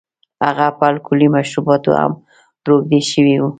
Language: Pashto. هغه په الکولي مشروباتو هم روږدی شوی و.